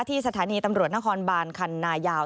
สถานีตำรวจนครบานคันนายาว